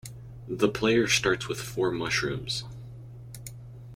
The player starts with four Mushrooms.